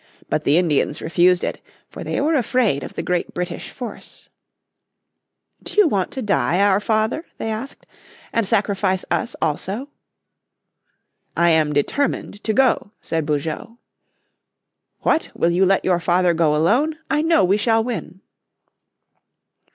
But the Indians refused it, for they were afraid of the great British force. "Do you want to die, our father?" they asked, "and sacrifice us also?" "I am determined to go," said Beaujeu. "What! Will you let your father go alone? I know we shall win."